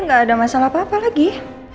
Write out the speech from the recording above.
nggak ada masalah apa apa lagi